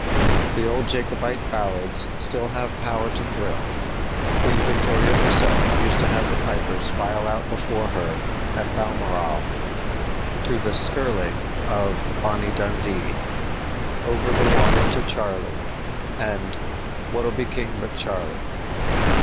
The old Jacobite ballads still have power to thrill. Queen Victoria herself used to have the pipers file out before her at Balmoral to the "skirling" of "Bonnie Dundee," "Over the Water to Charlie," and "Wha'll Be King but Charlie!"